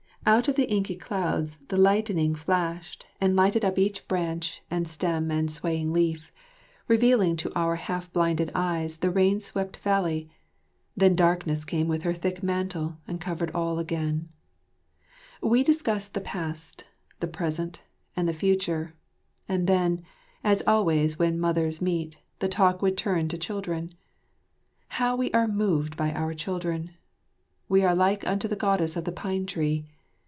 Out of the inky clouds the lightning flashed and lighted up each branch and stem and swaying leaf, revealing to our half blinded eyes the rain swept valley; then darkness came with her thick mantle and covered all again. [Illustration: Mylady29.] We discussed the past, the present, and the future; and then, as always when mothers meet, the talk would turn to children. How we are moved by our children! We are like unto the Goddess of the Pine tree.